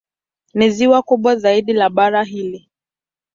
Ni ziwa kubwa zaidi la bara hili.